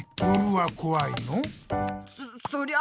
そそりゃあ